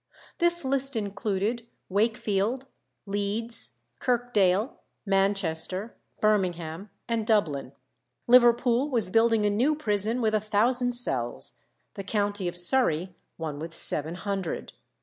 This list included Wakefield, Leeds, Kirkdale, Manchester, Birmingham, and Dublin. Liverpool was building a new prison with a thousand cells, the county of Surrey one with seven hundred.